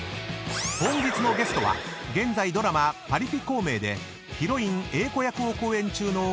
［本日のゲストは現在ドラマ『パリピ孔明』でヒロイン英子役を好演中の］